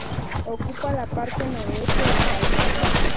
Ocupa la parte noroeste del país.